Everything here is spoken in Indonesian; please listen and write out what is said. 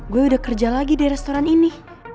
gue udah kerja lagi di restoran ini